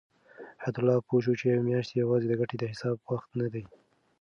حیات الله پوه شو چې میاشتې یوازې د ګټې د حساب وخت نه دی.